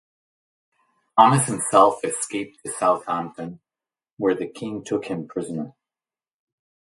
Thomas himself escaped to Southampton, where the King took him prisoner.